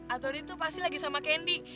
antoni itu pasti lagi sama kendi